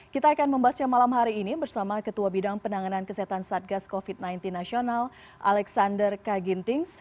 kita akan membahasnya malam hari ini bersama ketua bidang penanganan kesehatan satgas covid sembilan belas nasional alexander kagintings